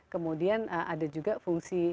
kemudian ada juga fungsi